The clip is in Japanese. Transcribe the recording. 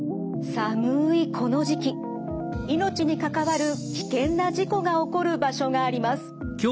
寒いこの時期命にかかわる危険な事故が起こる場所があります。